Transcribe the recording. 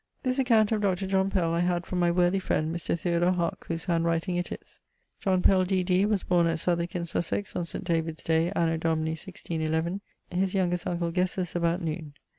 This account of Dr. John Pell I had from my worthy friend Mr. Theodore Haak, whose handwriting it is. John Pell, D.D., was borne at Southwick in Sussex on St. David's day, anno Domini 1611; his youngest uncle ghesses about noon.